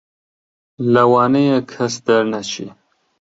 لەوانەیە کەس دەرنەچێ